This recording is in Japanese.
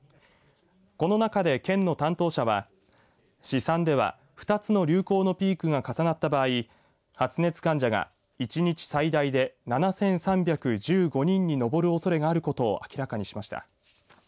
この中で、県の担当者は試算では２つの流行のピークが重なった場合発熱患者が１日最大で７３１５人に上るおそれがあることを明らかにしました。